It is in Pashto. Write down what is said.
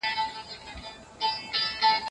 که هغه د دوی سره ښه چلند کاوه.